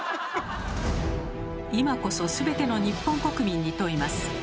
今こそすべての日本国民に問います。